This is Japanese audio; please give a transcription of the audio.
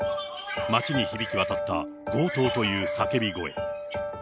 街に響き渡った、強盗という叫び声。